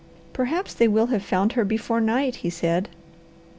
"Perhaps they will have found her before night," he said.